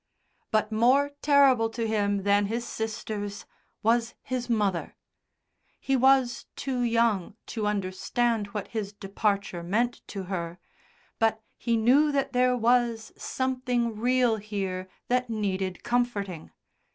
But more terrible to him than his sisters was his mother. He was too young to understand what his departure meant to her, but he knew that there was something real here that needed comforting.